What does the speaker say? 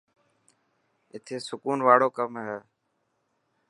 اٿي سڪون واڙو ڪم هي.